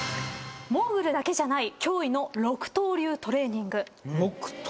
モーグルだけじゃない驚異の６刀流トレーニング。